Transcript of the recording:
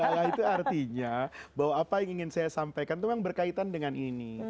salah itu artinya bahwa apa yang ingin saya sampaikan itu memang berkaitan dengan ini